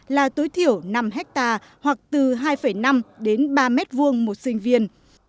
là tối thiểu năm ha hoặc từ hai năm đến ba m hai một sinh viên